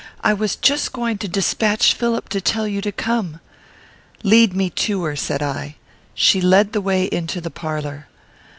I was just going to despatch Philip to tell you to come." "Lead me to her," said I. She led the way into the parlour.